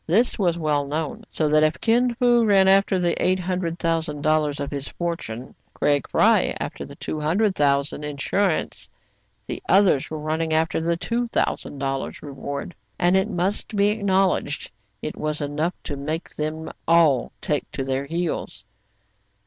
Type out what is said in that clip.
This was well known ; so that if Kin Fo ran after the eight hundred thousand dollars of his fortune, Craig Fry after the two hundred thousand insur ance, the others were running after the two thou sand dollars reward ; and it must be acknowledged it was enough to make them all take to their heels.